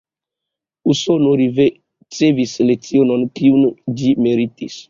Usono ricevis lecionon, kiun ĝi meritis.